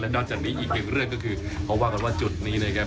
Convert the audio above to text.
นอกจากนี้อีกหนึ่งเรื่องก็คือเขาว่ากันว่าจุดนี้นะครับ